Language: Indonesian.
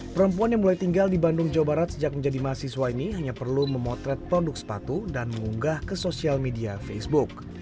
perempuan yang mulai tinggal di bandung jawa barat sejak menjadi mahasiswa ini hanya perlu memotret produk sepatu dan mengunggah ke sosial media facebook